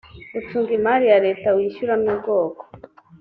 gucunga imari ya leta wishyura n ubwoko